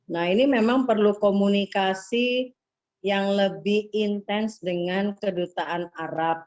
nah ini memang perlu komunikasi yang lebih intens dengan kedutaan arab